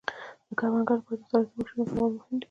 د کروندګرو لپاره د زراعتي ماشینونو کارول مهم دي.